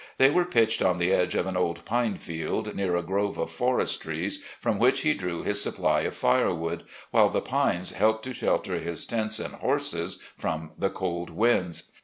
They were pitched on the edge of an old pine field, near a grove of forest trees from which he drew his supply of fire wood, while the pines helped to shelter his tents and horses from the cold winds.